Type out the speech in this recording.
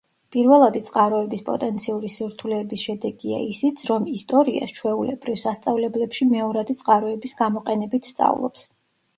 პირველადი წყაროების პოტენციური სირთულეების შედეგია ისიც, რომ ისტორიას, ჩვეულებრივ, სასწავლებლებში მეორადი წყაროების გამოყენებით სწავლობს.